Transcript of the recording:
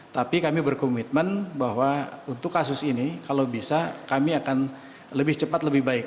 tapi kami berkomitmen bahwa untuk kasus ini kalau bisa kami akan lebih cepat lebih baik